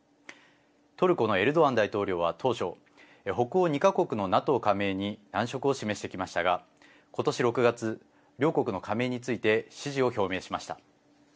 トルコのエルドアン大統領は当初北欧２か国のＮＡＴＯ加盟に難色を示してきましたが今年６月、両国の加盟について支持を表明しました。